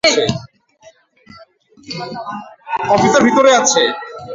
Officer ভিতরে আছে।